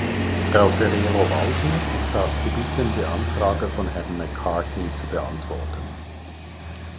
Frau Ferrero-Waldner, ich darf Sie bitten, die Anfrage von Herrn Macartney zu beantworten.